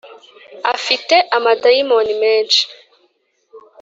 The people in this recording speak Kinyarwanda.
Afite amadayimoni menshi